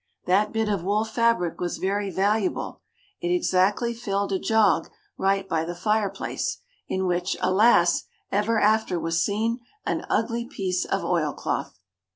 That bit of wool fabric was very valuable, it exactly filled a jog right by the fireplace, in which, alas! ever after was seen an ugly piece of oil cloth!